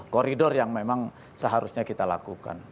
koridor yang memang seharusnya kita lakukan